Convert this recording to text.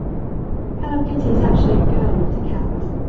Hello Kitty is actually a girl, not a cat.